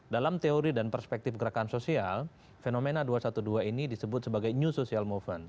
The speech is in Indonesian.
dalam teori dan perspektif gerakan sosial fenomena dua ratus dua belas ini disebut sebagai new social movement